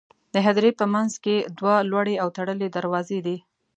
د هدیرې په منځ کې دوه لوړې او تړلې دروازې دي.